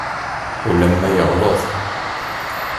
Ulamma yeɣleḍ.